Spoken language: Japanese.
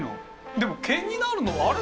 でも毛になるのはあれ？